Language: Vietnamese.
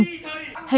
hến giải bày nỗi khổ